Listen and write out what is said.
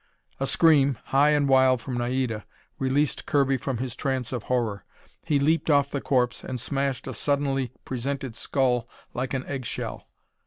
A scream, high and wild, from Naida released Kirby from his trance of horror. He leaped off the corpse, and smashed a suddenly presented skull like an egg shell.